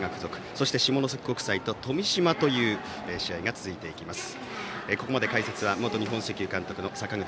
そして下関国際と富島という試合が続いていきます。